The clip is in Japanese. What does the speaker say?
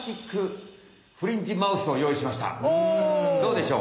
どうでしょう？